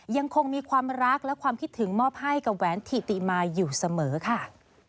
ยังคงมีความรักและความคิดถึงมอบให้กับแหวนถิติมาอยู่เสมอค่ะ